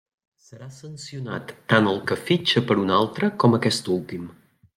Serà sancionat tant el que fitxa per un altre com aquest últim.